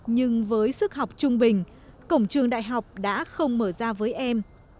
nhưng với sức học trung bình cổng trường đại học đã không mở ra với em